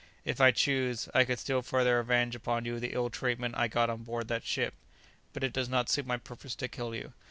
"If I chose, I could still further avenge upon you the ill treatment I got on board that ship; but it does not suit my purpose to kill you.